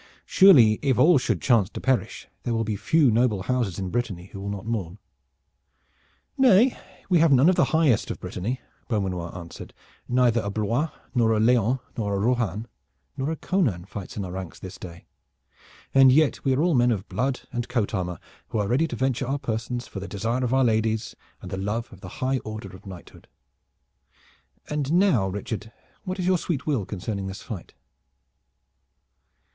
Surely if all should chance to perish there will be few noble houses in Brittany who will not mourn." "Nay, we have none of the highest of Brittany," Beaumanoir answered. "Neither a Blois, nor a Leon, nor a Rohan, nor a Conan, fights in our ranks this day. And yet we are all men of blood and coat armor, who are ready to venture our persons for the desire of our ladies and the love of the high order of knighthood. And now, Richard, what is your sweet will concerning this fight?"